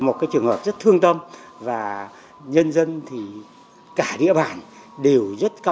một cái trường hợp rất thương tâm và nhân dân thì cả địa bản đều rất khó